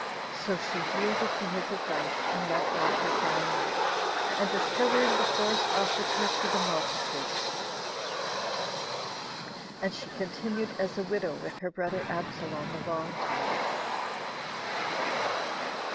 So she yielded to his advice, and left off her crying out, and discovering the force offered her to the multitude; and she continued as a widow with her brother Absalom a long time.